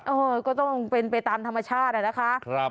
โอ้โหก็ต้องเป็นไปตามธรรมชาต้นนะคะ